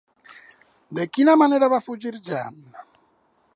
De quina manera va fugir Jeanne?